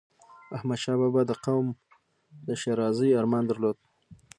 احمدشاه بابا د قوم د ښېرازی ارمان درلود.